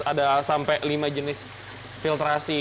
ada sampai lima jenis filtrasi